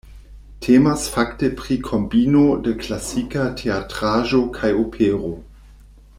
Temas fakte pri kombino de klasika teatraĵo kaj opero.